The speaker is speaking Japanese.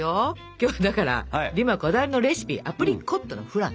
今日はだからデュマこだわりのレシピアプリコットのフランね。